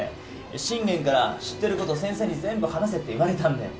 信玄から知ってること先生に全部話せって言われたんで。